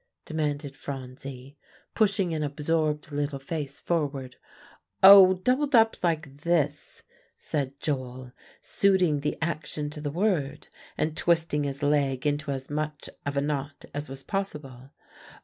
demanded Phronsie, pushing an absorbed little face forward. "Oh! doubled up like this," said Joel, suiting the action to the word, and twisting his leg into as much of a knot as was possible.